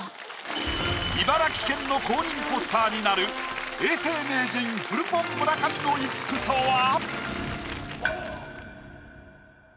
茨城県の公認ポスターになる永世名人フルポン・村上の一句とは？